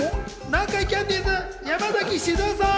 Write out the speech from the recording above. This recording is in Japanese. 南海キャンディーズ・山崎静代さん。